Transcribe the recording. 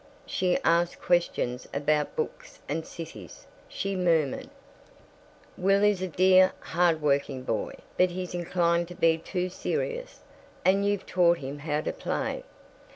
She asked questions about books and cities. She murmured: "Will is a dear hard working boy but he's inclined to be too serious, and you've taught him how to play.